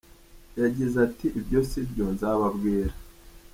Yagize ati “Ibyo si byo, nzababwira.